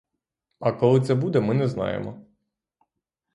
А коли це буде, ми не знаємо.